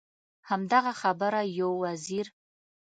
همدغه خبره یو وزیر.